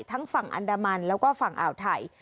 ทั้งฝั่งอันดามันแล้วก็ฝั่งอ่าวไทย